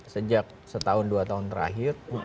sejak setahun dua tahun terakhir